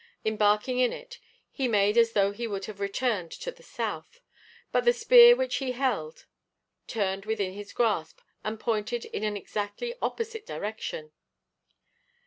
Embarking in it, he made as though he would have returned to the south, but the spear which he held turned within his grasp, and pointed in an exactly opposite direction.